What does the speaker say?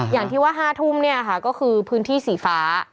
อย่างที่ว่า๕ทุ่มเนี่ยค่ะก็คือพื้นที่สีฟ้า